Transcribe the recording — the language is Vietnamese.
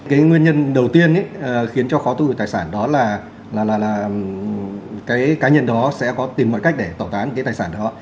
cái nguyên nhân đầu tiên khiến cho khó tư về tài sản đó là cái cá nhân đó sẽ có tìm mọi cách để tẩu tán cái tài sản đó